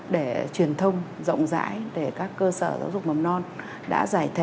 để truyền thông rộng rãi để các cơ sở giáo dục mầm non đã giải thể